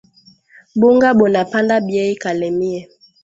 Bunga buna panda beyi kalemie